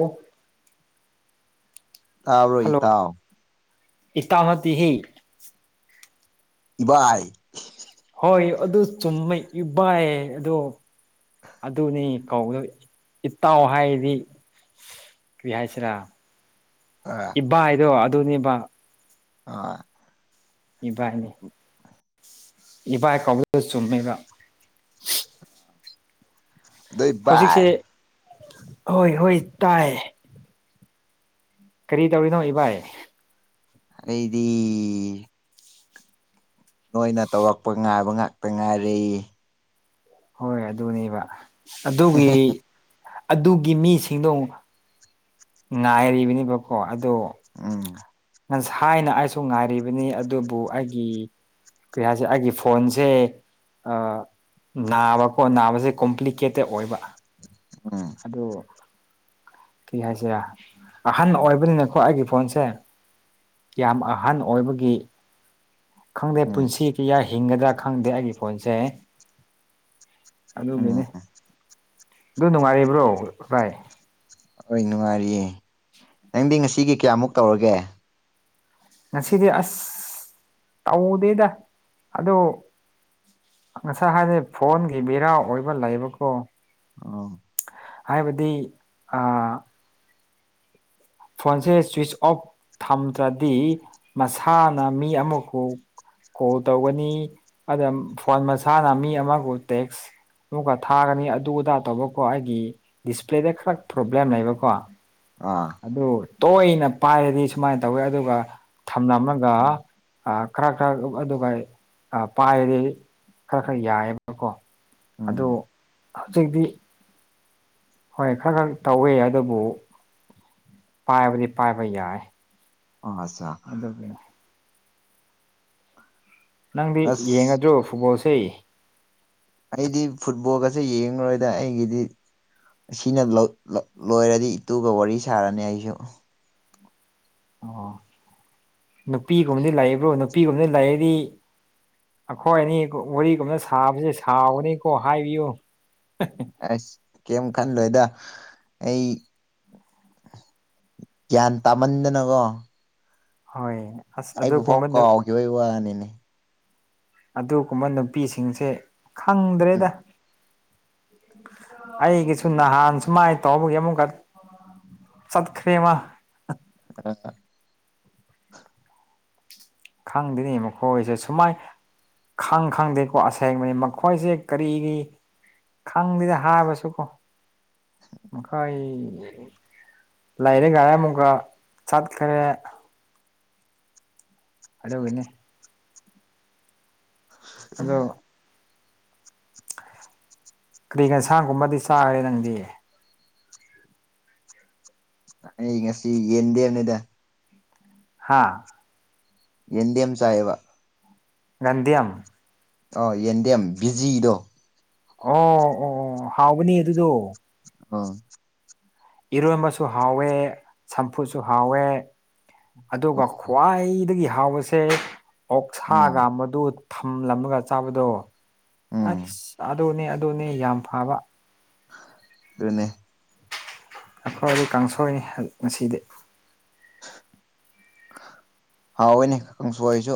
ꯑꯣ ꯇꯥꯔꯣ ꯏ ꯇꯥꯎ ꯏꯇꯥꯃꯗꯤ ꯍ ꯏꯚꯥꯏ ꯍꯣꯏ ꯑꯗꯨ ꯆꯨꯝꯃꯦ ꯏꯕꯥ ꯑꯗꯣ ꯑꯗꯨꯅꯤ ꯀꯧꯗ ꯏꯇꯥꯎ ꯍꯥꯏꯗꯤ ꯀ ꯍꯥꯏꯁꯤꯔꯥ ꯏꯕꯥ ꯍꯥꯏꯗꯣ ꯑꯗꯨꯅꯦꯕ ꯑ ꯏꯚꯥꯏꯅꯦ ꯏꯕ ꯀ ꯆꯨꯝꯃꯦꯗ ꯑꯗꯨꯣꯏ ꯏ ꯍꯣꯏ ꯍꯣꯏ ꯇꯥꯏ ꯀꯔꯤ ꯇꯧꯔꯤꯅꯣ ꯏꯚꯥꯏ ꯑꯩꯗꯤ ꯅꯣꯏꯅ ꯇꯧꯔꯛꯄ ꯉꯥꯏꯕ ꯉꯥꯛꯇ ꯉꯥꯏꯔ ꯍꯣꯏ ꯑꯗꯨꯅꯦꯕ ꯑꯗꯨꯒꯤ ꯑꯗꯨꯒꯤ ꯃꯤꯁꯤꯡꯗꯣ ꯉꯥꯏꯔꯤꯕꯅꯦꯕꯀꯣ ꯑꯗꯣ ꯎꯝ ꯉ ꯍꯥꯏꯅ ꯑꯩꯁꯨ ꯉꯥꯏꯔꯤꯕꯅꯤ ꯑꯗꯨꯕꯨ ꯑꯩꯒꯤ ꯀꯩ ꯍꯥꯏꯁꯦ ꯑꯩꯒꯤ ꯐꯣꯟꯁꯦ ꯅꯥꯕꯀꯣ ꯅꯥꯕꯁꯦ ꯀꯣꯝꯄ꯭ꯂꯤꯀꯦꯇꯦꯠ ꯑꯣꯏꯕ ꯎꯝ ꯑꯗꯣ ꯀꯔꯤ ꯍꯥꯏꯁꯤꯔ ꯑꯍꯟ ꯑꯣꯏꯕꯅꯤꯅꯀꯣ ꯑꯩꯒꯤ ꯐꯣꯟꯁꯦ ꯌꯥꯝ ꯑꯍꯟ ꯑꯣꯏꯕꯒꯤ ꯈꯪꯗꯦ ꯎꯝ ꯄꯨꯟꯁꯤ ꯀꯌꯥ ꯍꯤꯡꯒꯗ꯭ꯔꯥ ꯈꯪꯗꯦ ꯑꯩꯒꯤ ꯐꯣꯟꯁꯦ ꯑꯗꯨꯒꯤꯅꯤ ꯎꯝ ꯑꯗꯨ ꯅꯨꯡꯉꯥꯏꯔꯤꯕ꯭ꯔꯣ ꯔꯥꯏ ꯍꯣꯏ ꯅꯨꯡꯉꯥꯏꯔꯤꯌꯦ ꯅꯪꯗꯤ ꯉꯁꯤꯒꯤ ꯀꯌꯥꯃꯨꯛ ꯇꯧꯔꯒꯦ ꯉꯁꯤꯗꯤ ꯑꯁ ꯇꯧꯗꯦꯗ ꯑꯗꯣ ꯉꯁꯥꯏ ꯍꯥꯏꯗꯤ ꯐꯣꯟꯒꯤ ꯕꯦꯔꯥ ꯑꯣꯏꯕ ꯂꯩꯕꯀꯣ ꯑꯣ ꯍꯥꯏꯕꯗꯤ ꯑꯥ ꯐꯣꯟꯁꯦ ꯁ꯭ꯋꯤꯤꯁ ꯑꯣꯐ ꯊꯝꯗ꯭ꯔꯗꯤ ꯃꯁꯥꯅ ꯃꯤ ꯑꯃꯈꯎ ꯀꯣꯜ ꯇꯧꯒꯅꯤ ꯑꯗ ꯐꯣꯟ ꯃꯁꯥꯅ ꯃꯤ ꯑꯃꯕꯨ ꯇꯦꯛꯁ ꯑꯃꯨꯛꯀ ꯊꯥꯒꯅꯤ ꯑꯗꯨ ꯑꯗꯥ ꯇꯧꯕꯀꯣ ꯑꯩꯒꯤ ꯗꯤꯁꯄ꯭ꯂꯦꯗ ꯈꯔ ꯄ꯭ꯔꯣꯕ꯭ꯂꯦꯝ ꯂꯩꯕꯀꯣ ꯑꯥ ꯑꯗꯨ ꯇꯣꯏꯅ ꯄꯥꯏꯔꯗꯤ ꯁꯨꯃꯥꯏꯅ ꯇꯧꯋꯦ ꯑꯗꯨꯒ ꯊꯝꯂꯝꯃꯒ ꯈꯔ ꯈꯔ ꯑꯗꯨꯒ ꯄꯥꯏꯔꯗꯤ ꯈꯔ ꯈꯔ ꯌꯥꯏꯑꯕꯀꯣ ꯑꯗꯨ ꯎꯝ ꯍꯧꯖꯤꯛꯇꯤ ꯍꯣꯏ ꯈꯔ ꯈꯔ ꯇꯧꯋꯦ ꯑꯗꯨꯕꯨ ꯄꯥꯏꯕꯗꯤ ꯄꯥꯏꯕ ꯌꯥꯏ ꯑ ꯑꯆꯥ ꯑꯗꯨꯒꯤ ꯅꯪꯗꯤ ꯑꯁ ꯌꯦꯡꯉꯗ꯭ꯔꯣ ꯐꯨꯠꯕꯣꯜꯁꯦ ꯑꯩꯗꯤ ꯐꯨꯠꯕꯣꯜꯒꯁꯦ ꯌꯦꯡꯂꯨꯔꯣꯏꯗ ꯑꯩꯒꯤꯗꯤ ꯑꯁꯤꯅ ꯂꯣꯏꯔꯗꯤ ꯏꯇꯨꯒ ꯋꯥꯔꯤ ꯁꯥꯔꯅꯤ ꯑꯩꯁꯨ ꯑꯣ ꯅꯨꯄꯤꯒꯨꯝꯕꯗꯤ ꯂꯩꯕ꯭ꯔꯣ ꯅꯨꯄꯤꯒꯨꯝꯕꯗꯤ ꯂꯩꯗꯤ ꯑꯩꯈꯣꯏ ꯑꯅꯤ ꯋꯥꯔꯤꯒꯨꯝꯕꯅ ꯁꯥꯕꯁꯦ ꯁꯥꯎꯕꯅꯤꯀꯣ ꯍꯥꯏꯕꯤꯌꯨ ꯑꯁ ꯀꯩꯝ ꯈꯟꯂꯣꯏꯗ ꯑꯩ ꯒ꯭ꯌꯥꯟ ꯇꯥꯃꯟꯗꯅꯀꯣ ꯍꯣꯏ ꯑꯁ ꯑꯩꯕꯨ ꯐꯥꯎ ꯑꯗꯨꯒꯨꯝꯕ ꯀꯥꯎꯈꯤꯕꯒꯤ ꯋꯥꯅꯤꯅꯦ ꯑꯗꯨꯒꯨꯝꯕ ꯅꯨꯄꯤꯁꯤꯡꯁꯦ ꯈꯪꯗ꯭ꯔꯦꯗ ꯎꯝ ꯑꯩꯒꯤꯁꯨ ꯅꯍꯥꯟ ꯁꯨꯃꯥꯏꯅ ꯇꯧꯕꯒꯤ ꯑꯃꯨꯛꯀ ꯆꯠꯈ꯭ꯔꯦꯃꯥ [unintelligible] [unintelligible] ꯈꯪꯗꯦꯅꯦ ꯃꯈꯣꯏꯁꯦ ꯁꯨꯃꯥꯏ ꯈꯪ ꯈꯪꯗꯦꯀꯣ ꯑꯁꯦꯡꯕꯅꯤ ꯃꯈꯣꯏꯁꯦ ꯀꯔꯤ ꯈꯪꯗꯦꯗ ꯍꯥꯏꯕꯁꯨꯀꯣ ꯃꯈꯣꯏ ꯂꯩꯔꯦ ꯒꯥꯔꯦ ꯑꯃꯨꯛꯀ ꯆꯠꯈꯔꯦ ꯑꯗꯨꯒꯤꯅꯤ ꯑꯗꯣ ꯀꯔꯤ ꯀ ꯁꯥꯡꯒꯨꯝꯕꯗꯤ ꯆꯥꯔꯦ ꯅꯪꯗꯤ ꯑꯩ ꯉꯁꯤ ꯌꯦꯟꯗꯦꯝꯅꯤꯗ ꯍꯥꯥ ꯌꯦꯟꯗꯦꯝ ꯆꯥꯌꯦꯕ ꯒꯟꯗꯤꯌꯥꯝ ꯑꯥ ꯌꯦꯟꯗꯦꯝ ꯕꯤꯖꯤꯗꯣ ꯑꯣ ꯑꯣ ꯑꯣ ꯍꯥꯎꯕꯅꯤ ꯑꯗꯨꯗꯣ ꯑꯥ ꯏꯔꯣꯝꯕꯁꯨ ꯍꯥꯎꯋꯦ ꯆꯝꯐꯨꯠꯁꯨ ꯍꯥꯎꯋꯦ ꯑꯗꯨꯒ ꯈ꯭ꯋꯥꯏꯗꯒꯤ ꯍꯥꯎꯕꯁꯦ ꯑꯣꯛꯁꯥꯒ ꯎꯝ ꯃꯗꯨ ꯊꯝꯂꯝꯃꯒ ꯆꯥꯕꯗꯣ ꯎꯝ ꯑꯁ ꯑꯗꯨꯅꯦ ꯑꯗꯨꯅꯦ ꯌꯥꯝ ꯐꯕ ꯑꯗꯨꯅꯦ꯫ ꯑꯩꯈꯣꯏꯗꯤ ꯀꯥꯡꯁꯣꯏꯅꯤ ꯉꯁꯤꯗꯤ꯫ ꯍꯥꯎꯋꯦꯅꯦ ꯀꯥꯡꯁꯣꯏꯁꯨ꯫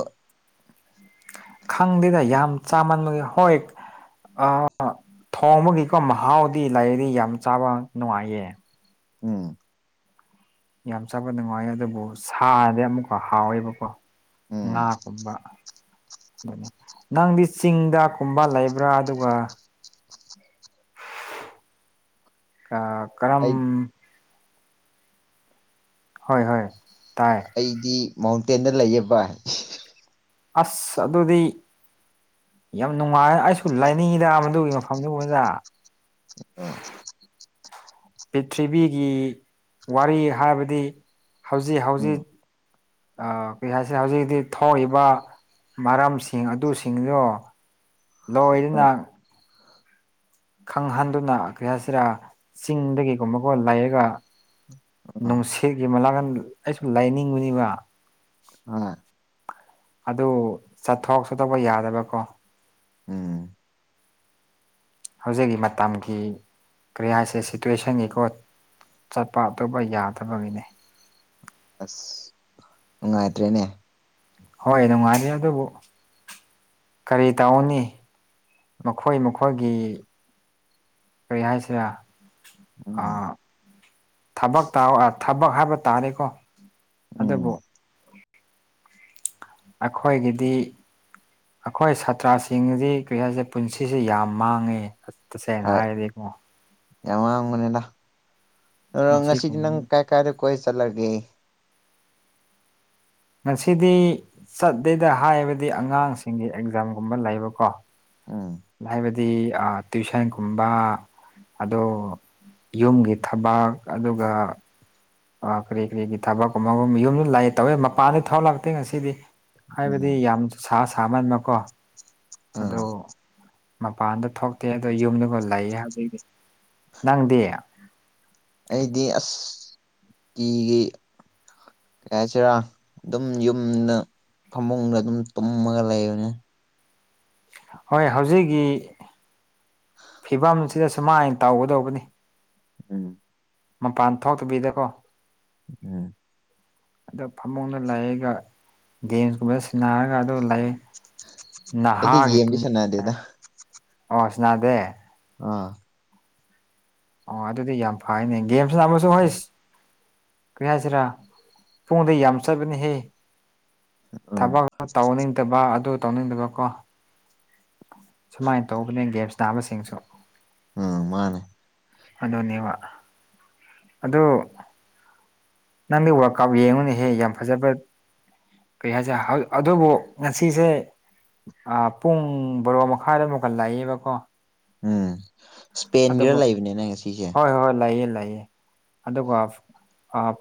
ꯈꯪꯗꯦꯗ ꯌꯥꯝ ꯆꯥꯃꯟꯕ ꯍꯣꯏ꯫ ꯑ ꯊꯣꯡꯕꯒꯤꯀꯣ ꯃꯍꯥꯎꯗꯤ ꯂꯩꯔꯤ ꯌꯥꯝ ꯆꯥꯕ ꯅꯨꯡꯉꯥꯏꯌꯦ꯫ ꯎꯝ꯫ ꯌꯥꯝ ꯆꯥꯕ ꯅꯨꯡꯉꯥꯏ ꯑꯗꯨꯕꯨ ꯁꯥꯅꯗꯤ ꯑꯃꯨꯛꯀ ꯍꯥꯎꯋꯦꯕꯀꯣ꯫ ꯅꯥ ꯎꯝ ꯀꯨꯝꯕ꯫ ꯅꯪꯗꯤ ꯆꯤꯡꯗ ꯀꯨꯝꯕ ꯂꯩꯕ꯭ꯔꯥ ꯑꯗꯨꯒ꯫ ꯑ ꯀꯔꯝ꯫ ꯑꯩ ꯍꯣꯏ ꯍꯣꯏ꯫ ꯇꯥꯏ ꯑꯩꯗꯤ ꯃꯥꯎꯟꯇꯦꯟꯗ ꯂꯩꯌꯦꯕ꯫ ꯑꯁ ꯑꯗꯨꯗꯤ꯫ ꯌꯥꯝ ꯅꯨꯡꯉꯥꯏ ꯑꯩꯁꯨ ꯂꯥꯏꯅꯤꯡꯉꯤꯗ ꯃꯗꯨꯒꯤ ꯃꯐꯝꯗꯨꯕꯗ꯫ [unintelligible] ꯄ꯭ꯔꯤꯊꯤꯕꯤꯒꯤ ꯋꯥꯔꯤ ꯍꯥꯏꯕꯗꯤ ꯍꯧꯖꯤꯛ ꯍꯧꯖꯤꯛ꯫ ꯎꯝ ꯑ ꯀꯩ ꯍꯥꯏꯁꯦ ꯍꯧꯖꯤꯛ ꯇꯤ ꯊꯣꯛꯏꯕ꯫ ꯃꯔꯝꯁꯤꯡ ꯑꯗꯨꯁꯤꯡꯗꯣ ꯂꯣꯏꯗꯨꯅ꯫ ꯈꯪꯍꯟꯗꯨꯅ ꯀꯩ ꯍꯥꯏꯁꯤꯔꯥ ꯆꯤꯡꯗꯒꯤꯒꯨꯝꯕꯒꯨꯝ ꯂꯩꯔꯒ꯫ ꯎꯝ ꯅꯨꯡꯁꯤꯠꯒꯤ ꯃꯅꯥꯥꯡꯀ ꯑꯩꯁꯨ ꯂꯥꯏꯅꯤꯡꯕꯅꯤꯕ ꯑ ꯑꯗꯨ ꯆꯠꯊꯣꯛꯑꯁꯨ ꯇꯧꯕ ꯌꯥꯗꯕꯀꯣ ꯎꯝ ꯍꯧꯖꯤꯛꯀꯤ ꯃꯇꯝꯒꯤ ꯀ꯭ꯔꯤꯌꯥꯁꯦ ꯁꯤꯇꯨꯋꯦꯁꯟꯒꯤꯀꯣ ꯆꯠꯄ ꯑꯇꯣꯞꯄ ꯌꯥꯗꯕꯒꯤꯅꯦ ꯑꯁ ꯅꯨꯡꯉꯥꯏꯇ꯭ꯔꯦꯅꯦ ꯍꯣꯏꯗ ꯃꯥꯔꯤꯗ ꯀꯔꯤ ꯇꯧꯧꯅꯤ ꯃꯈꯣꯏ ꯃꯈꯣꯏꯒꯤ ꯀꯔꯤ ꯍꯥꯏꯁꯤꯔ ꯑ ꯎꯝ ꯊꯕꯛ ꯊꯕꯛ ꯍꯥꯏꯕ ꯇꯥꯔꯦꯀꯣ ꯑꯗ ꯎꯝ ꯄꯣ ꯑꯩꯈꯣꯏꯒꯤꯗꯤ ꯑꯩꯈꯣꯏ ꯁꯥꯇ꯭ꯔꯁꯤꯡꯗꯤ ꯀꯔꯤ ꯍꯥꯏꯁꯦ ꯄꯨꯟꯁꯤꯁꯦ ꯌꯥꯝ ꯃꯥꯡꯉꯤ ꯇꯁꯦꯡ ꯍꯥꯏꯅ ꯍꯣꯏ ꯍꯥꯏꯔꯗꯤꯀꯣ ꯌꯥꯝ ꯋꯥꯡꯕꯅꯤꯅ ꯑꯗꯨ ꯉꯁꯤꯗꯤ ꯅꯪ ꯃꯁꯤꯒꯨꯝꯕ ꯀꯥꯏ ꯀꯥꯏꯗ ꯀꯣꯏ ꯆꯠꯂꯒꯦ ꯉꯁꯤꯗꯤ ꯆꯠꯇꯠꯇꯦꯗ ꯍꯥꯏꯕꯗꯤ ꯑꯉꯥꯡꯁꯤꯡꯒꯤ ꯑꯦꯛꯖꯥꯝꯒꯨꯝꯕ ꯂꯩꯕꯀꯣ ꯎꯝ ꯍꯥꯏꯕꯗꯤ ꯇ꯭ꯨꯋꯁꯟꯒꯨꯝꯕ ꯑꯗꯣ ꯌꯨꯝꯒꯤ ꯊꯕꯛ ꯑꯗꯨꯒ ꯑꯣ ꯀꯔꯤ ꯀꯔꯤꯒꯤ ꯊꯕꯛꯀꯨꯝꯕꯒꯨꯝ ꯌꯨꯝꯗ ꯂꯥꯛꯑꯦ ꯇꯧꯋꯦ ꯃꯄꯥꯟꯗ ꯊꯧ ꯂꯥꯛꯇꯦ ꯉꯁꯤꯗꯤ ꯍꯥꯏꯕꯗꯤ ꯎꯝ ꯌꯥꯝ ꯁꯥ ꯁꯥꯃꯟꯕꯀꯣ ꯑꯗꯣ ꯑꯥ ꯃꯄꯥꯟꯗ ꯊꯣꯛꯇꯦ ꯑꯗꯣ ꯌꯨꯝꯗꯨꯒ ꯂꯩꯌꯦ ꯍꯧꯖꯤꯛꯇꯤ ꯅꯪꯗꯤ ꯑꯩꯗꯤ ꯑꯁ ꯀꯤꯒꯤ ꯀ ꯍꯥꯏꯁꯤꯔꯥ ꯑꯗꯨꯝ ꯌꯨꯝꯅ ꯐꯃꯨꯡꯗ ꯑꯗꯨꯝ ꯇꯨꯝꯃꯒ ꯂꯩꯕꯅꯤ ꯍꯣꯏ ꯍꯧꯖꯤꯛꯀꯤ ꯐꯤꯕꯝꯁꯤꯗ ꯁꯨꯃꯥꯏꯅ ꯇꯧꯒꯗꯧꯕꯅꯤ ꯎꯝ ꯃꯄꯥꯟ ꯊꯣꯛꯇꯕꯤꯗꯀꯣ ꯎꯝ ꯑꯣ ꯐꯃꯨꯡꯗ ꯂꯩꯒ ꯗꯦꯟꯁꯀꯨꯝꯕ ꯁꯤꯟꯅꯔꯒ ꯑꯗꯨ ꯂꯩ ꯑꯩꯗꯤꯒꯤꯦꯝꯃꯤꯁꯅꯗꯦꯗ ꯑꯣꯁꯅꯥꯗꯦ ꯑꯥ ꯑꯣ ꯑꯗꯨꯗꯤ ꯌꯥꯝ ꯐꯩꯅꯦ ꯒꯦꯝꯁ ꯂ ꯑꯃꯁꯁꯨ ꯍꯁ ꯀꯩ ꯍꯥꯏꯁꯤꯔꯥ ꯄꯨꯡꯗ ꯌꯥꯝ ꯆꯠꯕꯅꯤꯍꯦ ꯎꯝ ꯊꯕꯛ ꯇꯧꯅꯤꯡꯗꯕ ꯑꯗꯨ ꯇꯧꯅꯤꯡꯗꯕꯀꯣ ꯁꯨꯃꯥꯏꯅ ꯇꯧꯕꯅꯦ ꯒꯦꯝꯁ ꯅꯥꯕꯁꯤꯡꯁꯨ ꯑꯝ ꯃꯥꯅꯦ ꯑꯗꯨꯅꯦꯕ ꯑꯗꯨ ꯅꯪꯒꯤ ꯋꯥꯔꯛꯀꯞ ꯌꯦꯡꯉꯨꯅꯦꯍꯦ ꯌꯥꯝ ꯐꯖꯕ ꯀꯔꯤ ꯍꯥꯏꯁꯦ ꯑꯗꯨꯕꯨ ꯉꯁꯤꯁꯦ ꯑ ꯄꯨꯡ ꯕꯔꯣ ꯃꯈꯥꯏꯗ ꯑꯃꯨꯛꯀꯟ ꯂꯥꯛꯏꯌꯦꯦꯕꯀꯣ ꯎꯝ ꯏꯁꯄꯦꯟꯒꯤꯔ ꯂꯩꯕꯅꯤꯅꯦ ꯉꯁꯤꯁꯦ ꯍꯣꯏ ꯍꯣꯏ ꯂꯩꯌꯦ ꯑꯗꯨꯒ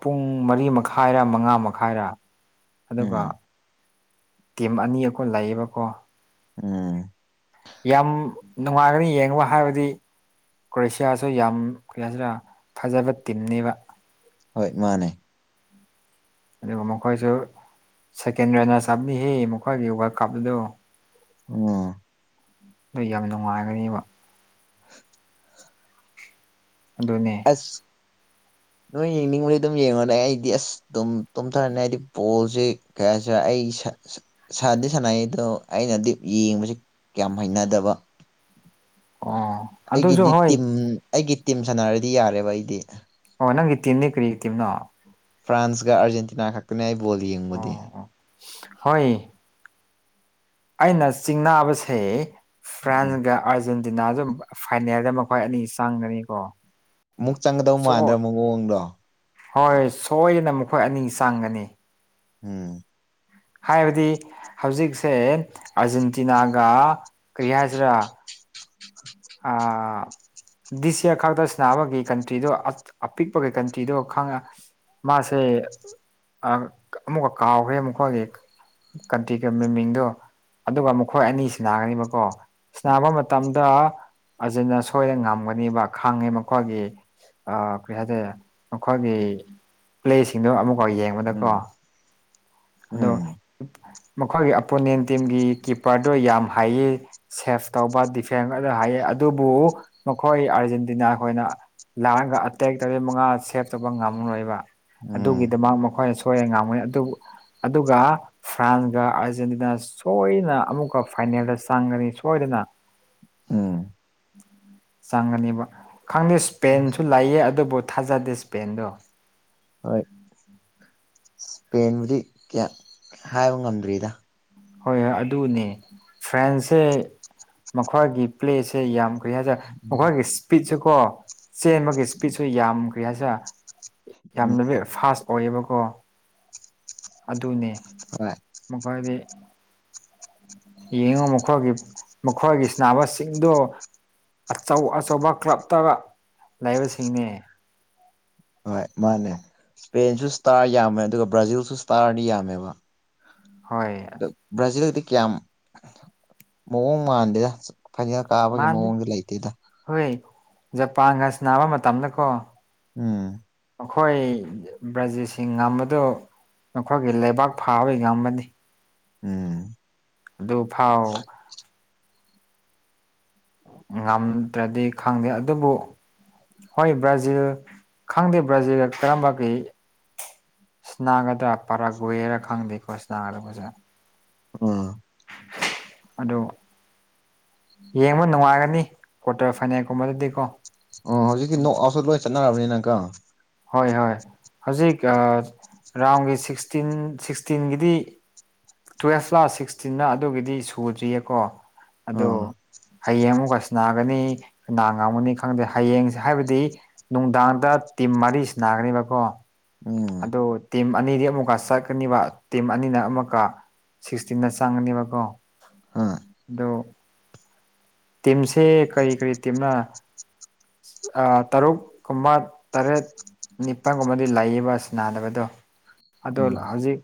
ꯄꯨꯡ ꯃꯔꯤ ꯃꯈꯥꯏꯔ ꯃꯉꯥ ꯃꯈꯥꯏꯔꯥ ꯑꯗꯨꯒ ꯎꯝ ꯇꯤꯝ ꯑꯅꯤ ꯑꯩꯀꯣꯏ ꯂꯩꯌꯦꯕꯀꯣ ꯎꯝ ꯌꯥꯝ ꯅꯨꯡꯉꯥꯏꯒꯅꯤ ꯌꯦꯡꯉꯕ ꯍꯥꯏꯕꯗꯤ ꯀ꯭ꯔꯣꯌꯦꯁꯤꯌꯥꯁꯨ ꯌꯥꯝ ꯀꯁꯤꯅ ꯐꯖꯕ ꯇꯤꯝꯅꯦꯕ ꯍꯣꯏ ꯃꯥꯅꯦ ꯑꯗꯨꯒ ꯃꯈꯣꯏꯁꯨ ꯁꯦꯀꯦꯟ ꯔꯦꯅꯔ ꯆꯞꯂꯤ ꯃꯈꯣꯏꯒꯤ ꯋꯥꯔꯜ ꯀꯞ ꯑꯗꯨꯗ ꯑ [unintelligible] [inaudible] ꯅꯣꯏ ꯌꯥꯝ ꯅꯨꯡꯉꯥꯏꯒꯅꯦꯕ [unintelligible] [inaudible] ꯑꯗꯨꯅꯦ ꯑꯁ ꯅꯣꯏ ꯌꯦꯡꯅꯤꯡꯕꯗꯤ ꯑꯗꯨꯝ ꯌꯦꯡꯉꯣꯅꯦ ꯑꯩꯗꯤ ꯑꯁ ꯑꯗꯨꯝ ꯇꯨꯝꯊꯔꯅꯤ ꯍꯥꯏꯗꯤ ꯄꯣꯜꯁꯦ ꯀꯌꯥꯁꯨ ꯑꯩ ꯁꯥꯗꯤ ꯁꯥꯟꯅꯩ ꯑꯗꯣ ꯑꯩꯅꯗꯤ ꯌꯦꯡꯕꯁꯦ ꯀꯌꯥꯝ ꯍꯩꯅꯗꯕ ꯑꯣ ꯑꯗꯨꯁꯨ ꯑꯩꯒꯤꯗꯤ ꯍꯣꯏ ꯇꯤꯝ ꯑꯩꯒꯤ ꯇꯤꯝ ꯁꯥꯟꯅꯔꯗꯤ ꯌꯥꯔꯦꯕ ꯑꯩꯗꯤ ꯍ ꯅꯪꯒꯤ ꯇꯤꯟꯅꯤ ꯀꯔꯤꯇꯤꯝꯅ ꯐ꯭ꯔꯥꯟꯁꯒ ꯑꯔꯖꯦꯟꯇꯤꯅꯥ ꯈ ꯀꯅꯏ ꯑꯣ ꯑꯣ ꯍꯣꯏ ꯑꯩꯅ ꯆꯤꯡꯅꯥꯕꯁꯦ ꯎꯝ ꯐ꯭ꯔꯥꯟꯁꯒ ꯑꯥꯔꯖꯦꯟ ꯅꯥꯁꯨ ꯐꯥꯏꯅꯦꯜꯗ ꯃꯈꯣꯏ ꯑꯅꯤ ꯆꯪꯒꯅꯤꯀꯣ ꯑꯃꯨꯛ ꯆꯪꯒꯗꯧ ꯃꯥꯟꯗ꯭ꯔꯥ ꯃꯑꯣꯡꯗꯣ ꯍꯣꯏꯣꯏ ꯁꯣꯏꯗꯅ ꯃꯈꯣꯏ ꯑꯅꯤ ꯆꯥꯡꯒꯅꯤ ꯎꯝ ꯍꯥꯏꯕꯗꯤ ꯍꯧꯖꯤꯛꯁꯦ ꯑꯔꯖꯦꯟꯇꯤꯅꯥꯒ ꯀ꯭ꯔꯤꯌꯥꯁꯤ꯭ꯔ ꯑꯥ ꯗꯤꯁ ꯏꯌꯥꯔ ꯈꯛꯇ ꯁꯅꯕꯒꯤ ꯀꯟꯇ꯭ꯔꯤꯗꯣ ꯑꯄꯤꯛꯄꯒꯤ ꯀꯟꯇ꯭ꯔꯤꯗꯣ ꯈꯪꯉ ꯃꯥꯁꯦ ꯑꯃꯨꯛꯀ ꯀꯥꯎꯈ꯭ꯔꯦ ꯑꯃꯨꯛꯀꯗꯤ ꯀꯟꯇꯔꯤꯒ ꯃ ꯃꯤꯡꯗꯣ ꯑꯗꯨꯒ ꯃꯈꯣꯏ ꯑꯅꯤꯁꯤ ꯅꯥꯒꯅꯤꯕꯀꯣ ꯅꯥꯕ ꯃꯇꯝꯗ ꯑꯖꯤꯅ ꯁꯣꯏꯗꯅ ꯉꯝꯒꯅꯦꯕ ꯈꯥꯡꯉꯦ ꯃꯈꯣꯏꯒꯤ ꯑ ꯀꯔꯤ ꯍꯥꯏꯇꯥꯔꯦ ꯃꯈꯣꯏꯒꯤ ꯄ꯭ꯂꯦꯁꯤꯡꯗꯣ ꯑꯃꯨꯛ ꯍꯣꯏ ꯌꯦꯡꯕꯗꯀꯣ ꯎꯝ ꯑꯗꯣ ꯎꯝ ꯃꯈꯣꯏꯒꯤ ꯑꯄꯣꯅꯦꯟ ꯇꯤꯝꯒꯤ ꯀꯤꯞꯄꯔꯗꯣ ꯌꯥꯝ ꯍꯥꯏꯌꯦ ꯁꯦꯞ ꯇꯧꯕ ꯗꯤꯐꯦꯟꯒꯗ ꯍꯥꯏꯌꯦ ꯑꯗꯨꯕꯨ ꯃꯈꯣꯏ ꯑꯥꯔꯖꯦꯟꯇꯤꯅꯥ ꯈꯣꯏꯅ ꯂꯥꯛꯑꯒ ꯑꯇꯦꯛ ꯇꯧꯔꯤꯕ ꯃꯉꯥ ꯁꯦꯞ ꯇꯧꯕ ꯉꯝꯃꯔꯣꯏꯕ ꯎꯝ ꯑꯗꯨꯒꯤꯗꯃꯛ ꯃꯈꯣꯏ ꯍꯣꯏꯑꯦ ꯉꯥꯡꯃꯨꯅꯤ ꯑꯗꯨꯕꯨ ꯑꯗꯨꯒ ꯐ꯭ꯔꯥꯟꯁꯒ ꯑꯥꯔꯖꯦꯟꯇꯤꯅꯥ ꯁꯣꯏꯗꯅ ꯑꯃꯨꯛꯀ ꯐꯥꯏꯅꯦꯜꯗ ꯆꯪꯒꯅꯤ ꯁꯣꯏꯗꯅ [unintelligible] [inaudible] ꯎꯝ ꯆꯪꯒꯅꯦꯕ ꯈꯪꯗꯦ ꯏꯁꯄꯦꯟꯁꯨ ꯂꯩꯌꯦ ꯑꯗꯨꯕꯨ ꯀ ꯊꯥꯖꯗꯦꯁꯄꯦꯟꯗ ꯍꯣꯏ ꯏꯁꯄꯦꯟꯕꯨꯗꯤ ꯀꯌꯥ ꯍꯥꯏꯕ ꯉꯝꯗ꯭ꯔꯤꯗ ꯍꯣꯏ ꯍꯣꯏ ꯑꯗꯨꯅꯦ ꯐ꯭ꯔꯦꯟꯁꯁꯦ ꯃꯈꯣꯏꯒꯤ ꯄ꯭ꯂꯦꯁꯦ ꯌꯥꯝ ꯀ ꯍꯥꯏꯁꯤꯔꯦ ꯎꯝ ꯃꯈꯣꯏꯒꯤ ꯏꯁꯄꯤꯠꯁꯨ ꯀꯣ ꯆꯦꯟꯕꯒꯤ ꯏꯁꯄꯤꯠꯁꯨ ꯌꯥꯝꯈ꯭ꯦ ꯍꯥꯏꯁꯤꯔ ꯌꯥꯝꯅ ꯐꯥꯁ ꯑꯣꯏꯌꯦꯕꯀꯣ ꯑꯗꯨꯅꯤ ꯍꯣꯏ ꯃꯈꯣꯏꯗꯤ ꯌꯦꯡꯉꯨ ꯃꯈꯣꯏꯒꯤ ꯃꯈꯣꯏꯒꯤ ꯁꯅꯕꯁꯤꯡꯗꯣ ꯑꯆꯧ ꯑꯆꯧꯕ ꯀ꯭ꯂꯞꯇꯒ ꯂꯩꯕꯁꯤꯡꯅꯦ ꯍꯣꯏ ꯃꯥꯅꯦ ꯏꯁꯄꯦꯟꯁꯨ ꯏꯁꯇꯥꯔ ꯌꯥꯝꯃꯦ ꯑꯗꯨꯒ ꯕ꯭ꯔꯥꯖꯤꯜꯁꯨ ꯏꯁꯇꯥꯔꯅꯤ ꯌꯥꯝꯃꯦꯕ ꯍꯣꯏ ꯕ꯭ꯔꯥꯖꯤꯜꯒꯤꯗꯤ ꯀꯌꯥꯝ ꯃꯑꯣꯡ ꯃꯥꯟꯗꯦꯗ ꯐꯅꯅ ꯀꯥꯕꯒꯤ ꯃꯑꯣꯡꯗꯤ ꯂꯩꯇꯦꯗ ꯖꯄꯥꯟꯒꯁ ꯅꯥꯕ ꯃꯇꯝꯗꯀꯣ ꯎꯝ ꯑꯩꯈꯣꯏ ꯕ꯭ꯔꯥꯖꯤꯠꯁꯤꯡ ꯉꯝꯕꯗꯣ ꯅꯈꯣꯏꯒꯤ ꯂꯩꯕꯥꯛ ꯐꯥꯕꯒꯕ ꯎꯝ ꯑꯗꯨ ꯐꯥꯎ ꯉꯝꯗ꯭ꯔꯗꯤ ꯈꯪꯗꯦ ꯑꯗꯨꯕꯨ ꯍꯣꯏ ꯕ꯭ꯔꯥꯖꯤꯜ ꯈꯪꯗꯦ ꯕ꯭ꯔꯥꯖꯤꯜꯒ ꯀꯔꯝꯕ ꯀꯩ ꯁ ꯅꯥꯒꯗ꯭ꯔꯥ ꯄꯔꯥ ꯣꯏꯦꯔꯥ ꯈꯪꯗꯦꯀꯣ ꯁꯅꯥꯒꯗꯖꯅ ꯑꯣ ꯑꯗꯣ ꯌꯦꯡꯕ ꯅꯨꯡꯉꯥꯏꯒꯅꯤ ꯀ꯭ꯋꯥꯇꯔ ꯐꯥꯏꯅꯦꯜꯒꯨꯝꯕꯗꯗꯤꯀꯣ ꯑꯣ ꯍꯧꯖꯤꯛꯇꯤ ꯅꯣꯛꯑꯁꯨ ꯂꯣꯏ ꯆꯠꯅꯔꯕꯅꯤꯅꯀ ꯍꯣꯏ ꯍꯣꯏ ꯍꯧꯖꯤꯛ ꯔꯥꯎꯟꯒꯤ ꯁꯤꯛꯁꯇꯤꯟ ꯁꯤꯛꯁꯇꯤꯟꯒꯤꯗꯤ ꯇꯨꯋꯦꯜꯐ ꯂꯥ ꯁꯤꯛꯁꯇꯤꯟꯅ ꯑꯗꯨꯒꯤꯗꯤ ꯁꯨꯗ꯭ꯔꯤꯌꯦꯀꯣ ꯑꯗꯣ ꯍꯌꯦꯡ ꯑꯃꯨꯒꯁ ꯅꯥꯒꯅꯤꯗꯥꯡ ꯉꯝꯒꯅꯤ ꯈꯪꯗꯦ ꯍꯌꯦꯡꯁꯦ ꯍꯥꯏꯕꯗꯤ ꯅꯨꯡꯗꯥꯡꯗ ꯇꯤꯝ ꯃꯔꯤꯁꯤ ꯅꯥꯒꯅꯦꯕꯀꯣ ꯎꯝ ꯑꯗꯨꯣ ꯇꯤꯝ ꯑꯅꯤꯗꯤ ꯑꯃꯨꯛꯀ ꯆꯠꯀꯅꯤꯕ ꯇꯤꯝ ꯑꯅꯤꯅ ꯑꯃꯨꯛꯀ ꯁꯤꯛꯁꯇꯤꯟꯅ ꯆꯪꯒꯅꯤꯕꯀꯣ ꯍ ꯗꯣ ꯇꯤꯝꯁꯦ ꯀꯔꯤ ꯀꯔꯤ ꯇꯤꯝꯅ ꯑ ꯇꯔꯨꯛ ꯀꯃ ꯇꯔꯦꯠ ꯅꯤꯄꯜꯒꯨꯝꯕꯗꯤ ꯂꯩꯌꯦꯕ ꯑꯁ ꯅꯥꯕꯗꯣ ꯑꯗꯣ ꯎꯝ ꯍꯧꯖꯤꯛ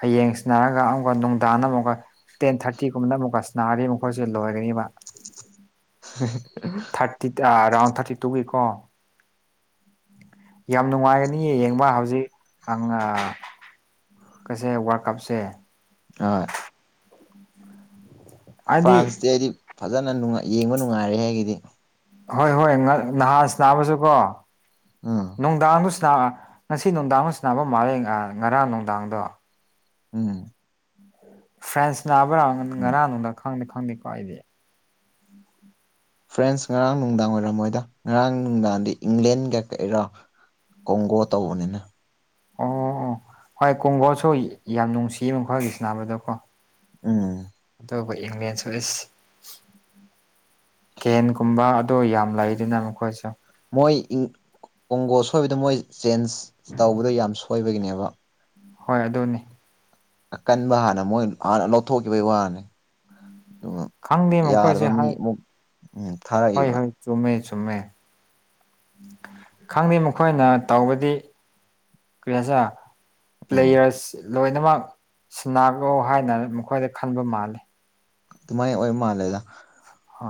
ꯍꯌꯦꯡ ꯁꯤꯟꯅꯔꯒ ꯑꯃꯨꯛꯀ ꯅꯨꯡꯗꯥꯡꯅ ꯑꯃꯨꯛꯀ ꯇꯦꯟ ꯊꯥꯔꯇꯤꯒꯨꯝꯕꯅ ꯑꯃꯨꯛꯀꯁ ꯅꯥꯔꯤꯕ ꯃꯈꯣꯏꯁ ꯂꯣꯏꯒꯅꯤꯕ ꯊꯥꯔꯇꯤ ꯔꯥꯎꯟ ꯊꯥꯔꯇꯤ ꯇꯨꯒ ꯀꯣ ꯌꯥꯝ ꯅꯨꯡꯉꯥꯏꯒꯅꯤꯌꯦ ꯌꯦꯡꯕ ꯍꯧꯖꯤꯛ ꯀꯩꯁꯦ ꯋꯥꯔ ꯀꯞꯁꯦ ꯑ ꯍꯥꯏꯗꯤ ꯐ꯭ꯔꯥꯟꯁꯇꯤ ꯑꯩꯗꯤ ꯐꯖꯅ ꯌꯦꯡꯕ ꯅꯨꯡꯉꯥꯏꯔꯦ ꯍꯥꯏꯒꯤꯗꯤ ꯍꯣꯏ ꯍꯣꯏ ꯅꯍꯥꯟ ꯅꯥꯕꯁꯨ ꯀꯣ ꯎꯝ ꯅꯨꯡꯗꯥꯡꯗꯨ ꯉꯁꯤ ꯅꯨꯡꯗꯥꯡ ꯍ ꯅꯥꯐꯝ ꯃꯥꯂꯦ ꯉꯔꯥꯡ ꯅꯨꯡꯗꯥꯡꯗꯣ ꯎꯝ ꯐ꯭ꯔꯦꯟꯁ ꯅꯥꯕ꯭ꯔꯥ ꯎꯝ ꯉꯔꯥꯡꯅꯨꯡꯗ ꯈꯪꯗꯦ ꯈꯪꯗꯦꯀꯣ ꯑꯩꯗꯤ ꯐ꯭ꯔꯦꯟꯁ ꯉꯔꯥꯡ ꯅꯨꯡꯗꯥꯡ ꯑꯣꯏꯔꯝꯃꯣꯏꯗ ꯉꯔꯥꯡ ꯅꯨꯡꯗꯥꯡꯗꯤ ꯏꯪꯂꯦꯟꯒ ꯀꯛꯔꯣ ꯀꯣꯡꯒꯣ ꯇꯧꯕꯅꯤꯅ ꯑꯣ ꯍꯣꯏ ꯀꯣꯡꯕꯣꯜꯁꯨ ꯌꯥꯝ ꯅꯨꯡꯁꯤꯌꯦ ꯃꯈꯣꯏꯒꯤꯁꯤ ꯅꯥꯅꯕꯗꯀꯣ ꯎꯝ ꯑꯩꯈꯣꯏ ꯏꯪꯂ꯭ꯂꯦꯟ ꯁꯋꯤꯁ ꯀꯦꯟꯒꯨꯝꯕ ꯑꯗꯨ ꯌꯥꯝ ꯂꯩꯗꯅ ꯃꯈꯣꯏꯁꯨ ꯃꯣꯏ ꯀꯣꯡꯒꯣ ꯁꯣꯏꯕꯗ ꯃꯣꯏ ꯆꯦꯟꯖ ꯇꯧꯕꯗꯣ ꯌꯥꯝ ꯁꯣꯏꯕꯒꯤꯅꯦꯕ ꯍꯣꯏ ꯑꯗꯨꯅꯦ ꯑꯀꯟꯕ ꯍꯥꯟꯅ ꯃꯣꯏ ꯍꯅ ꯂꯧꯊꯣꯛꯈꯤꯕꯒꯤ ꯋꯥꯅꯤ ꯑꯗꯨꯒ ꯈꯪꯗꯦ ꯃꯈꯣꯏꯁꯦ ꯌꯥꯗꯕ ꯃꯤ ꯍꯥꯏ ꯑꯃꯨꯛ ꯎꯝ ꯍꯣꯏ ꯊꯥꯔꯛꯏꯕ ꯍꯣꯏ ꯆꯨꯝꯃꯦ ꯆꯨꯝꯃꯦ ꯈꯪꯗꯦ ꯃꯈꯣꯏꯅ ꯇꯧꯕꯗꯤ ꯀꯔꯤ ꯁꯥ ꯎꯝ ꯄ꯭ꯂꯦꯌꯔ ꯂꯣꯏꯅꯃꯛ ꯁꯤꯟꯅꯈꯣ ꯍꯥꯏꯅ ꯃꯈꯣꯏꯗ ꯈꯟꯕ ꯃꯥꯜꯂꯤ ꯑꯗꯨꯃꯥꯏꯅ ꯑꯣꯏ ꯃꯥꯜꯂꯦꯗ ꯍꯣꯏ